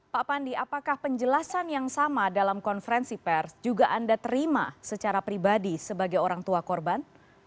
pak pandi apakah penjelasan yang sama dalam konferensi pers juga anda terima secara pribadi sebagai orang tua korban